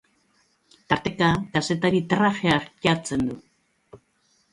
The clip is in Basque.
Tarteka kazetari trajea jatzen du.